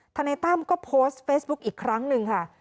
นายตั้มก็โพสต์เฟซบุ๊คอีกครั้งหนึ่งค่ะ